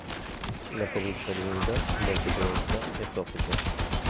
La pelliccia è lunga, molto densa e soffice.